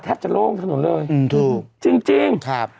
จะโล่งถนนเลยอืมถูกจริงครับ